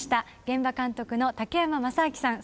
現場監督の竹山正明さん。